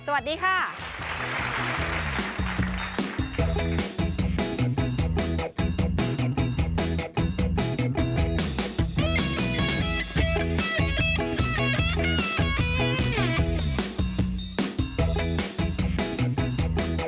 สวัสดีค่ะ